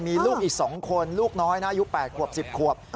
มีลูกอีก๒คนลูกน้อยนะอายุ๘ขวบ๑๐ขวบ